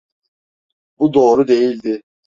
Bu doğru değildi.